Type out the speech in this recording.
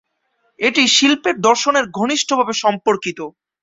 এটি শিল্পের দর্শনের ঘনিষ্ঠ ভাবে সম্পর্কিত।